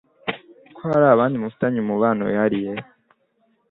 ko hari abandi mufitanye umubano wihariye.